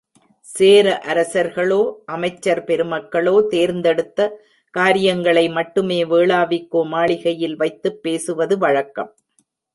சேர அரசர்களோ, அமைச்சர் பெருமக்களோ தேர்ந்தெடுத்த காரியங்களை மட்டுமே வேளாவிக்கோ மாளிகையில் வைத்துப் பேசுவது வழக்கம்.